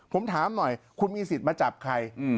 ผมถามหน่อยคุณมีสิทธิ์มาจับใคร